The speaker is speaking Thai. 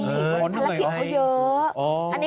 อันนี้ก็คือเพิ่งเศษสิ้น